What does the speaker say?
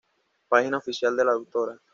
Página oficial de la Dra.